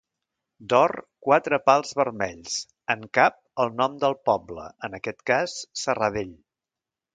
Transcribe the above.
D'or, quatre pals vermells; en cap, el nom del poble, en aquest cas, Serradell.